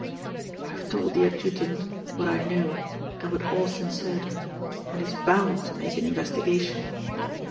"I've told the adjutant what I know and what Austin said and he's bound to make an investigation.